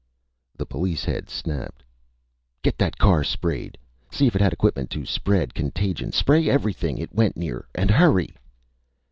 The police head snapped: "Get that car sprayed! See if it had equipment to spread contagion! Spray everything it went near! And hurry!"